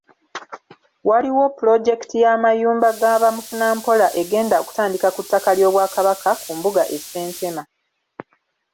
Waliwo pulojekiti y’amayumba ga bamufunampola egenda okutandika ku ttaka ly’Obwakabaka ku mbuga e Ssentema.